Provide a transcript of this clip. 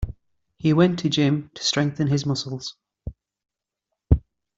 He went to gym to strengthen his muscles.